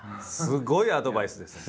すごいアドバイスで。